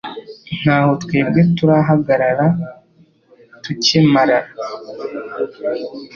naho twebwe turahagarara tukemarara